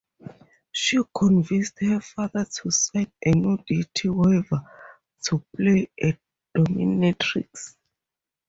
She convinced her father to sign a "nudity waiver" to play a dominatrix.